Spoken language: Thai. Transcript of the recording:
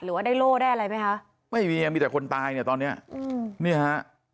หรือว่าได้โล่ได้อะไรไหมคะไม่มีอ่ะมีแต่คนตายเนี่ยตอนเนี้ยอืมนี่ฮะ